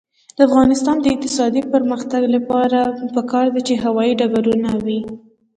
د افغانستان د اقتصادي پرمختګ لپاره پکار ده چې هوايي ډګرونه وي.